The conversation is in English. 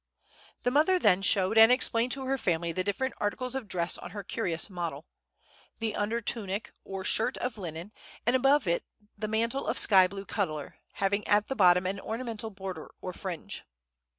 The mother then showed and explained to her family the different articles of dress on her curious model. The under tunic, or shirt, of linen, and above it the mantle of sky blue color, having at the bottom an ornamental border or fringe.